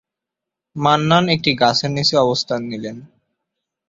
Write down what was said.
মান্নান একটি গাছের নিচে অবস্থান নিলেন।